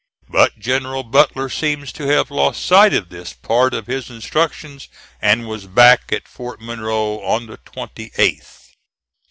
But General Butler seems to have lost sight of this part of his instructions, and was back at Fort Monroe on the 28th.